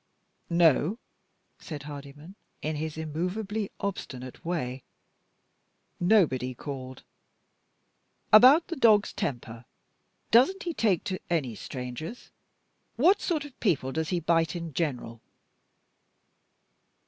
"No," said Hardyman, in his immovably obstinate way. "Nobody called. About this dog's temper? Doesn't he take to any strangers? What sort of people does he bite in general?"